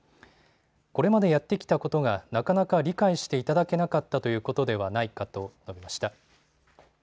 これまでやってきたことがなかなか理解していただけなかったということではないかと述べました。